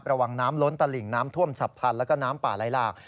ระวังน้ำล้นตลิ่งน้ำท่วมฉับพันธ์แล้วก็น้ำป่าไหลหลาก